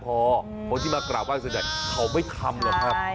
เพราะที่มากราบว่ายสัญญาณเขาไม่ทำหรอกครับ